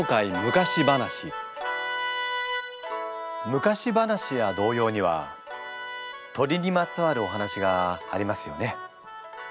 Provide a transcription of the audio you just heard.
昔話や童謡には鳥にまつわるお話がありますよね。